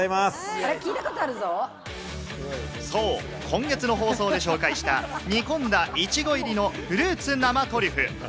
今月の放送で紹介した煮込んだイチゴ入りのフルーツ生トリュフ。